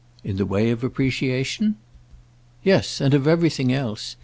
"In the way of appreciation?" "Yes, and of everything else.